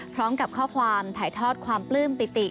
พร้อมกับข้อความถ่ายทอดความปลื้มปิติ